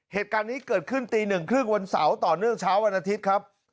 เหตุการณ์นี้เกิดขึ้นตีหนึ่งครึ่งวันเสาร์ต่อเนื่องเช้าวันอาทิตย์ครับ